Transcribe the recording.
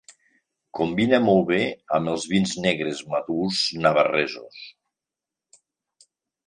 Combina molt bé amb els vins negres madurs navarresos.